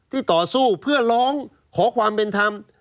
ต่อสู้เพื่อร้องขอความเป็นธรรม